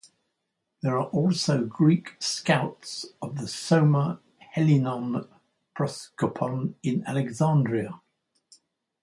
There are also Greek Scouts of the Soma Hellinon Proskopon in Alexandria.